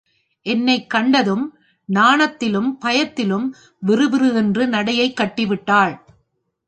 என்னைக் கண்டதும், நாணத்திலும் பயத்திலும் விறுவிறுவென்று நடையைக் கட்டிவிட்டாள்!